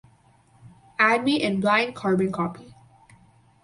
Add me in blind carbon copy